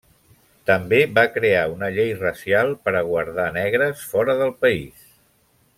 També va crear una llei racial per a guardar negres fora del país.